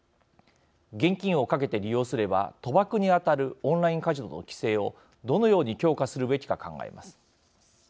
現金をかけて利用すれば賭博に当たるオンラインカジノの規制をどのように強化するべきか考えます。